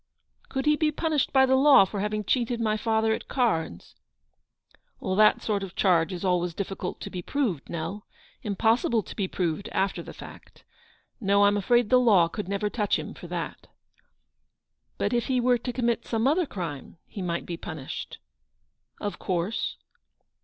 " Could he be punished by the law for having cheated my father at cards ?"" That sort of charge is always difficult to be proved, Nell ; impossible to be proved after the fact. No, I'm afraid the law could never touch him for that/' " But if he were to commit some other crime, he might be punished ?"" Of course."